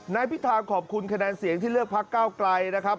นายพิธาขอบคุณคะแนนเสียงที่เลือกพักเก้าไกลนะครับ